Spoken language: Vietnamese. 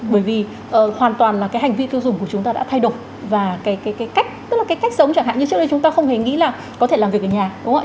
bởi vì hoàn toàn là cái hành vi tiêu dùng của chúng ta đã thay đổi và cái cách tức là cái cách sống chẳng hạn như trước đây chúng ta không hề nghĩ là có thể làm việc ở nhà đúng không ạ